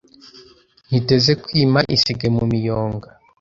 Ntiteze kwima isigaye mu miyonga